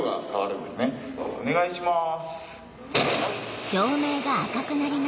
お願いします。